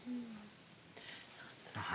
はい。